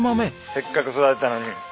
せっかく育てたのに。